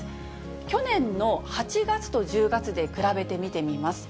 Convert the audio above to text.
去年の８月と１０月で比べてみてみます。